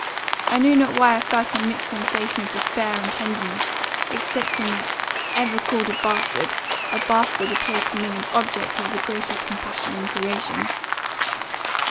I know not why I felt a mixed sensation of despair and tenderness, excepting that, ever called a bastard, a bastard appeared to me an object of the greatest compassion in creation.